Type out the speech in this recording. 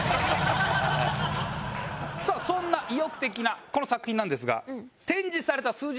さあそんな意欲的なこの作品なんですが。